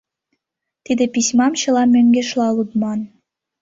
Тиде письмам чыла мӧҥгешла лудман.